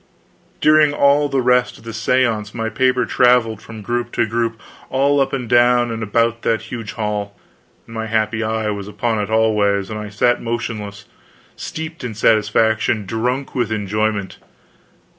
During all the rest of the seance my paper traveled from group to group all up and down and about that huge hall, and my happy eye was upon it always, and I sat motionless, steeped in satisfaction, drunk with enjoyment.